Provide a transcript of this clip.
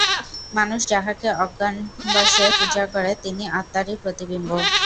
মানুষ যাঁহাকে অজ্ঞানবশে পূজা করে, তিনি আত্মারই প্রতিবিম্ব।